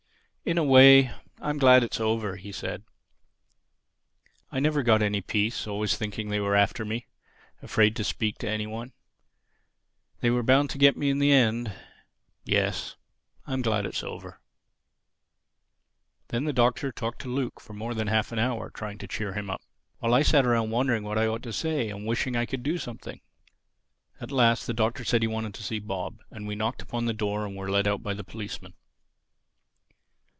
"In a way I'm glad it's over," said he. "I never got any peace, always thinking they were after me—afraid to speak to anyone. They were bound to get me in the end—Yes, I'm glad it's over." Then the Doctor talked to Luke for more than half an hour, trying to cheer him up; while I sat around wondering what I ought to say and wishing I could do something. At last the Doctor said he wanted to see Bob; and we knocked upon the door and were let out by the policeman.